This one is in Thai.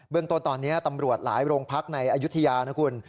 เรื่องต้นตอนนี้ตำรวจหลายโรงพักในอายุทยานะคุณ